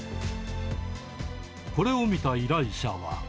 これを見た依頼者は。